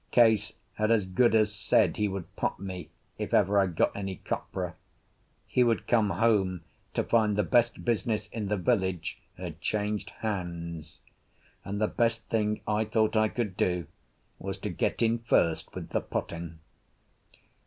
Case had as good as said he would pot me if ever I got any copra; he would come home to find the best business in the village had changed hands; and the best thing I thought I could do was to get in first with the potting.